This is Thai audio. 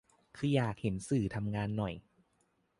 คืออยากเห็นสื่อทำงานหน่อย